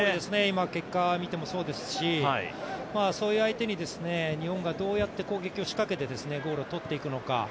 結果を見てもそうですしそういう相手に日本がどうやって攻撃をしかけてゴールをとっていくのか。